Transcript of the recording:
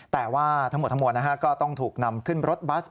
แต่ว่าทั้งหมดทั้งหมดต้องขึ้นรถบัส